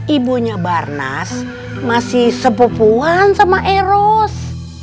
ibunya barnas masih sepupuan sama eros